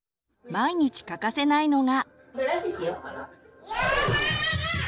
毎日欠かせないのが。